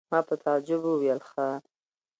ما په تعجب وویل: ښه!